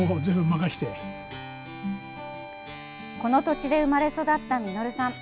この土地で生まれ育った實さん。